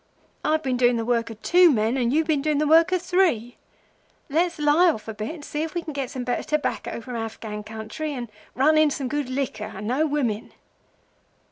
I've been doing the work o' two men, and you've been doing the work o' three. Let's lie off a bit, and see if we can get some better tobacco from Afghan country and run in some good liquor; but no women.